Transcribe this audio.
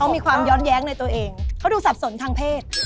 มีความย้อนแย้งในตัวเองเขาดูสับสนทางเพศ